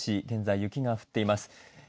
現在、雪が降っています。